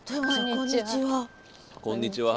こんにちは。